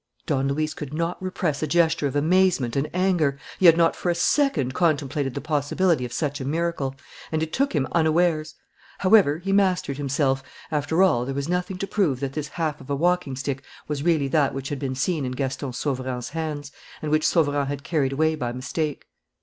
Don Luis could not repress a gesture of amazement and anger. He had not for a second contemplated the possibility of such a miracle; and it took him unawares. However, he mastered himself. After all, there was nothing to prove that this half of a walking stick was really that which had been seen in Gaston Sauverand's hands and which Sauverand had carried away by mistake.